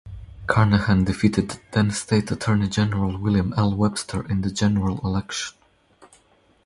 Carnahan defeated then-state Attorney General William L. Webster in the general election.